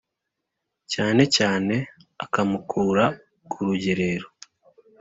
cyanecyane akamukura ku rugerero.